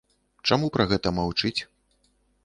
Чаму пра гэта маўчыць?